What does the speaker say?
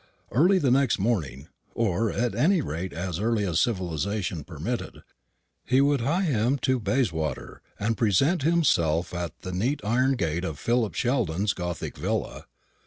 Early the next morning or at any rate as early as civilization permitted he would hie him to Bayswater, and present himself at the neat iron gate of Philip Sheldon's gothic villa.